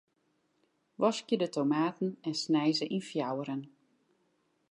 Waskje de tomaten en snij se yn fjouweren.